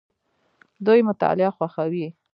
دوی مطالعه خوښوي.